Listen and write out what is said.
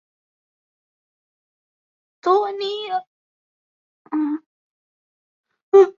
多尼戈尔郡和凯里郡的一处山岬西比尔角也是取景地。